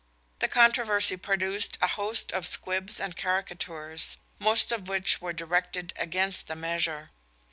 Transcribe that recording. The controversy produced a host of squibs and caricatures, most of which were directed against the measure.